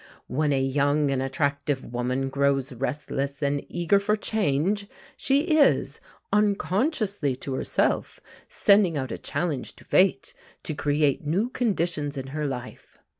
When a young and attractive woman grows restless and eager for change, she is, unconsciously to herself, sending out a challenge to Fate to create new conditions in her life.